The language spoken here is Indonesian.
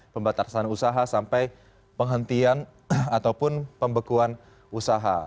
pembatasan usaha sampai penghentian ataupun pembekuan usaha